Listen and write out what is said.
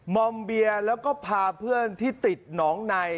มอมเบียร์แล้วก็พาเพื่อนที่ติดหนองใน